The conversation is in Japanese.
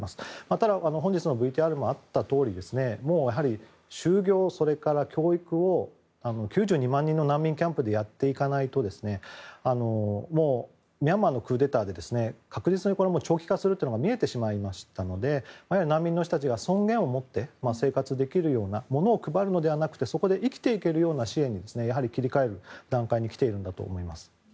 ただ本日のＶＴＲにもあったように就業や教育を、９２万人の難民キャンプでやっていかないとミャンマーのクーデターで確実に長期化するというのが見えてしまいましたので難民の人たちが尊厳をもって生活できるようなものを配るのではなくてそこで生きていけるような支援にやはり切り替える段階に来ているんだと思います。